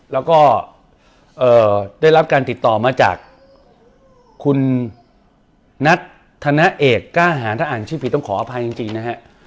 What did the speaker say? แล้วก็ได้รับการติดต่อมาจากคุณนัทธนเอกกล้าหาถ้าอ่านชื่อผิดต้องขออภัยจริงนะฮะ